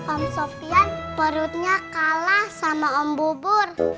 om sofian perutnya kalah sama om bubur